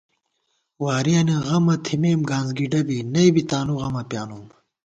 وارِیَنی غَمہ تِھمېم گانسگِڈہ بی، نئ بی تانُو غمہ پیانُم